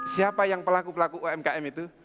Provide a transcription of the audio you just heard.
siapa yang pelaku pelaku umkm itu